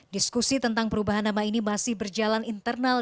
diskusi tentang perubahan nama ini masih berjalan internal